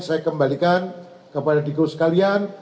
saya kembalikan kepada diko sekalian